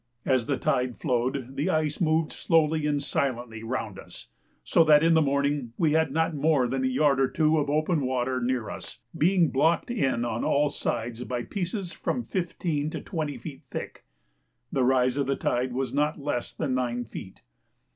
As the tide flowed the ice moved slowly and silently round us, so that in the morning we had not more than a yard or two of open water near us, being blocked in on all sides by pieces from 15 to 20 feet thick. The rise of the tide was not less than nine feet.